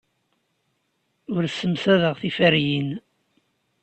Ur ssemsadeɣ tiferyin.